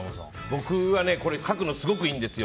僕は書くのすごくいいんですよ。